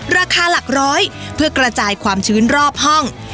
ราคาหลักร้อยเพื่อกระจายความชื้นรอบห้อง